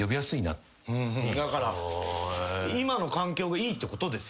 だから今の環境がいいってことですよね。